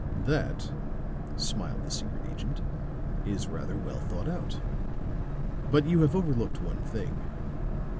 "That," smiled the secret agent, "is rather well thought out. But you have overlooked one thing.